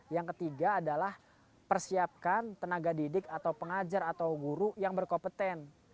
yang ketiga adalah persiapkan tenaga didik atau pengajar atau guru yang berkompeten